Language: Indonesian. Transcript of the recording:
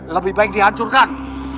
lebih baik dihancurkan